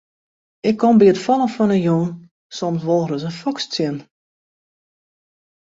Ik kom by it fallen fan 'e jûn soms wol ris in foks tsjin.